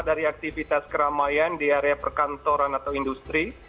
dari aktivitas keramaian di area perkantoran atau industri